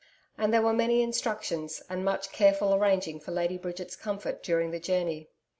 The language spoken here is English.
And there were many instructions, and much careful arranging for Lady Bridget's comfort during the journey.